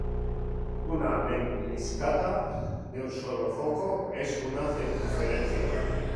Una lemniscata de un solo foco es una circunferencia.